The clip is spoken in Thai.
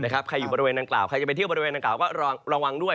ใครอยู่บริเวณดังกล่าวใครจะไปเที่ยวบริเวณดังกล่าก็ระวังด้วย